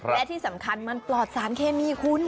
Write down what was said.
และที่สำคัญมันปลอดสารเคมีคุณ